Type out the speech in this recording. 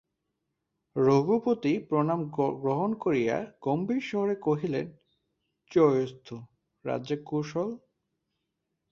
রঘুপতি প্রণাম গ্রহণ করিয়া গম্ভীর স্বরে কহিলেন, জয়োস্তু–রাজ্যের কুশল?